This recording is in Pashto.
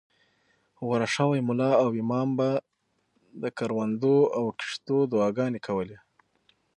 غوره شوي ملا او امام به د کروندو او کښتو دعاګانې کولې.